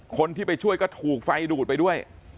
คนที่ไปช่วยก็ถูกไฟดูดไปด้วย